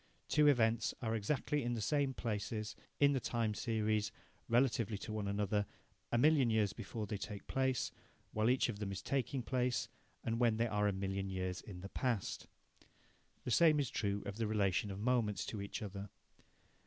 Two events are exactly in the same places in the time series, relatively to one another, a million years before they take place, while each of them is taking place, and when they are a million years in the past. The same is true of the relation of moments to each other.